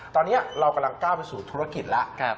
ตอนนี้เรากำลังก้าวไปสู่ธุรกิจแล้ว